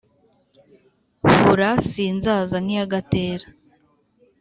hora sinzaza nk'iya gatera